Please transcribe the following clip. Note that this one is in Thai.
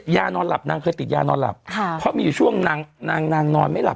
นอนหลับนางเคยติดยานอนหลับเพราะมีอยู่ช่วงนางนางนอนไม่หลับ